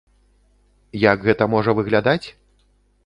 Як гэта можа выглядаць?